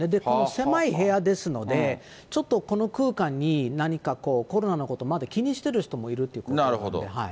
狭い部屋ですので、ちょっとこの空間に、何かコロナのことをまだ気にしてる人もいるということなんで。